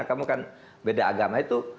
kamu kan beda agama itu